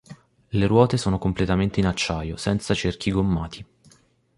Le ruote sono completamente in acciaio, senza cerchi gommati.